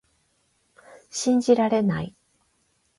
信じられない